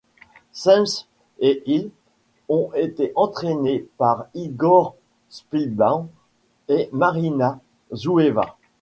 Senft et Hill ont été entraînés par Igor Shpilband et Marina Zoueva.